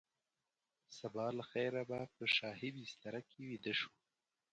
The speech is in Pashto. سبا له خیره به په شاهي بستره کې ویده شو.